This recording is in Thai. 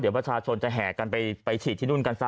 เดี๋ยวประชาชนจะแห่กันไปฉีดที่นู่นกันซะ